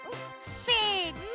せの！